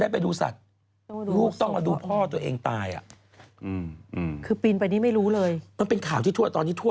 พาลูกไปดูสัตว์